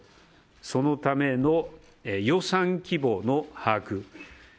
そのための予算規模の把握。